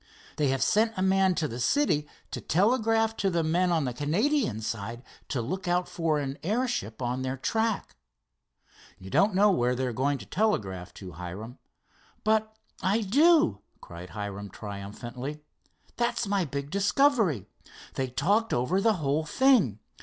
They have sent a man to the city to telegraph to the men on the Canadian side to look out for an airship on their track." "You don't know where they are going to telegraph to, Hiram?" "But I do," cried Hiram triumphantly. "That's my big discovery. They talked over the whole thing.